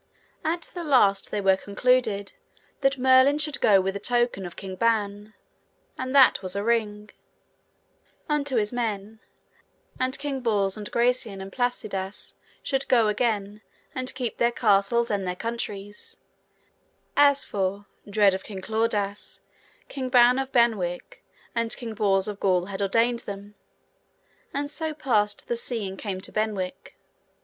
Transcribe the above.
At the last they were concluded, that Merlin should go with a token of King Ban, and that was a ring, unto his men and King Bors'; and Gracian and Placidas should go again and keep their castles and their countries, as for [dread of King Claudas] King Ban of Benwick, and King Bors of Gaul had ordained them, and so passed the sea and came to Benwick.